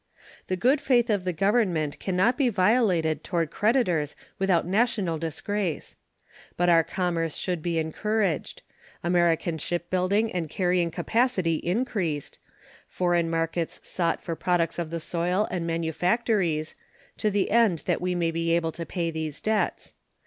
The good faith of the Government can not be violated toward creditors without national disgrace. But our commerce should be encouraged; American shipbuilding and carrying capacity increased; foreign markets sought for products of the soil and manufactories, to the end that we may be able to pay these debts.